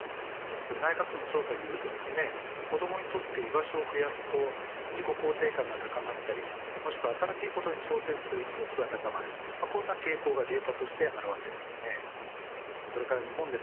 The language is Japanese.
内閣府の調査によると子どもにとって居場所を増やすと自己肯定感が高まったりもしくは、新しいことに挑戦する意欲が高まるこんな傾向がデーターとして表れています。